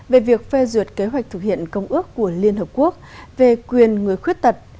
về việc phê duyệt kế hoạch thực hiện công ước của liên hợp quốc về quyền người khuyết tật